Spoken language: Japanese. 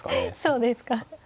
そうですか。